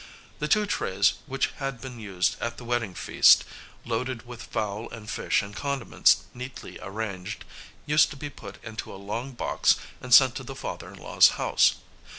The two trays which had been used at the wedding feast, loaded with fowl and fish and condiments neatly arranged, used to be put into a long box and sent to the father in law's house.